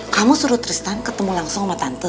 kamu suruh tristan ketemu langsung sama tante